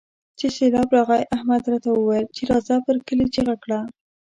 چې سېبلاب راغی؛ احمد راته وويل چې راځه پر کلي چيغه کړه.